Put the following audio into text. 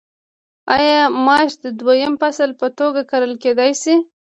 آیا ماش د دویم فصل په توګه کرل کیدی شي؟